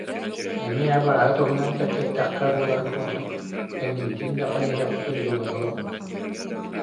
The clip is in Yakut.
Эмиэ абааһы туһунан кэпсэттэххэ буоларын курдук, кэннибитин да хайыһыахпытын дьулайа олорбуппут